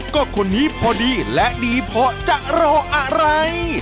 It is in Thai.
ก็คนนี้พอดีและดีพอจะรออะไร